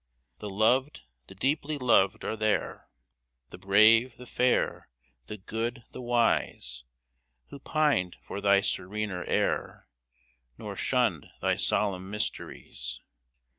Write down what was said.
The loved, the deeply loved, are there ! The brave, the fair, the good, the wise, Who pined for thy serener air, Nor shunned thy solemn mysteries.